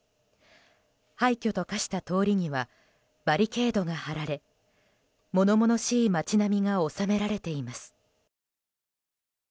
廃墟と化した通りにはバリケードが張られ物々しい街並みが収められています。